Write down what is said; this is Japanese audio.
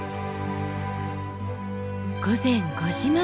午前５時前。